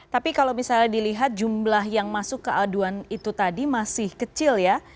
tapi kalau misalnya dilihat jumlah yang masuk ke aduan itu tadi masih kecil ya